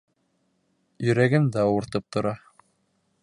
Йөрәгем дә ауыртып тора.